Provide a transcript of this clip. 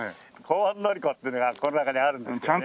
香園教子っていうのがこの中にあるんですけどね。